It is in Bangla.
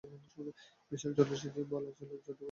বিশাল জলরাশি নিয়ে বয়ে চলা জাদুকাটায় মুগ্ধ দৃষ্টি মেলে দেখে চলি।